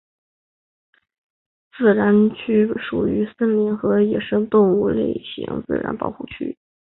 贵州宽阔水国家级自然保护区属于森林和野生动物类型自然保护区。